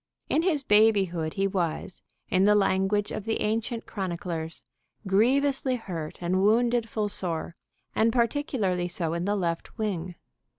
In his babyhood he was, in the language of the ancient chroniclers, grievously hurt and wounded full sore, and particularly so in the left wing.